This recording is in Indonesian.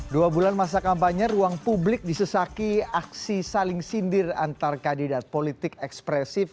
dua bulan masa kampanye ruang publik disesaki aksi saling sindir antar kandidat politik ekspresif